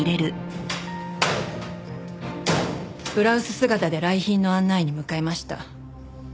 ブラウス姿で来賓の案内に向かいました。